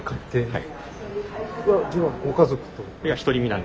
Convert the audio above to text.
はい。